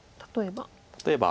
例えば。